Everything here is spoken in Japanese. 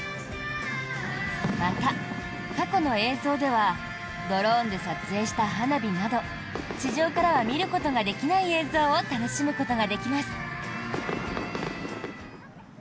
また、過去の映像ではドローンで撮影した花火など地上からは見ることができない映像を楽しむことができます。